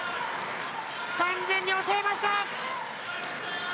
完全に抑えました。